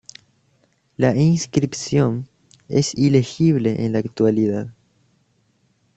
La inscripción es ilegible en la actualidad.